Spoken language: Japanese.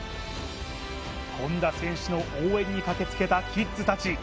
権田選手の応援に駆けつけたキッズたち。